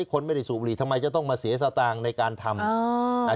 คนไม่ได้สูบบุหรี่ทำไมจะต้องมาเสียสตางค์ในการทำ